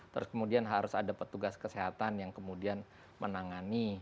terus kemudian harus ada petugas kesehatan yang kemudian menangani